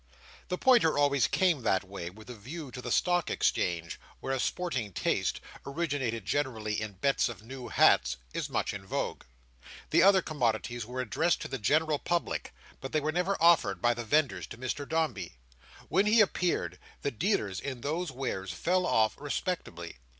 The pointer always came that way, with a view to the Stock Exchange, where a sporting taste (originating generally in bets of new hats) is much in vogue. The other commodities were addressed to the general public; but they were never offered by the vendors to Mr Dombey. When he appeared, the dealers in those wares fell off respectfully.